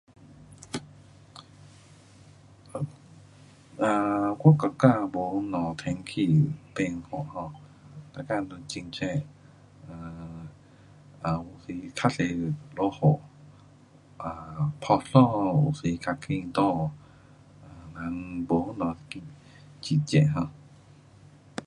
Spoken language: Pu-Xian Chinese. um 我国家没什么天气变化 um 每天都很热，um 有时较多下雨 um 嗮衣有时较快干，um 没什么很热 um